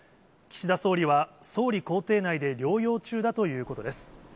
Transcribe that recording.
岸田総理は総理公邸内で療養中だということです。